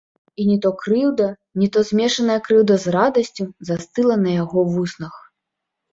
І не то крыўда, не то змешаная крыўда з радасцю застыла на яго вуснах.